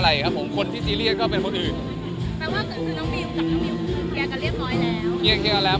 แล้วกับเธอก็ได้เคลียร์กันหรือยัง